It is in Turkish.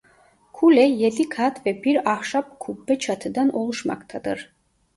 Kule yedi kat ve bir ahşap kubbe çatıdan oluşmaktadır.